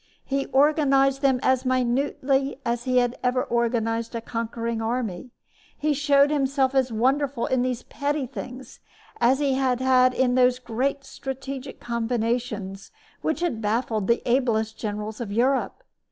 He organized them as minutely as he had ever organized a conquering army. He showed himself as wonderful in these petty things as he had in those great strategic combinations which had baffled the ablest generals of Europe.